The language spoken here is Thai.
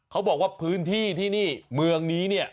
เขาบอกว่าพื้นที่ที่นี่เมืองนี้เนี่ย